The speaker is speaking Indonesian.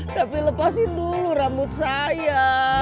tapi lepasin dulu rambut saya